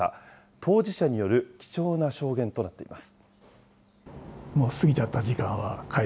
当事者による貴重な証言になっています。